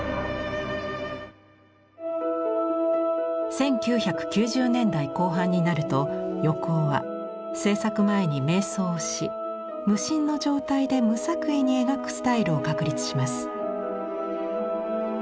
１９９０年代後半になると横尾は制作前に瞑想をし無心の状態で無作為に描くスタイルを確立します。